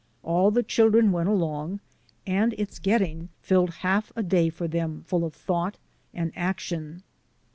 All the children went along and its getting filled half a day for them full of thought and action.